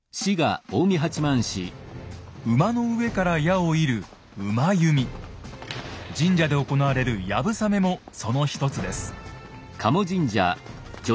馬の上から矢を射る神社で行われる「流鏑馬」もその一つです。